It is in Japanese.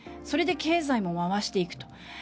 それで経済も回していくと。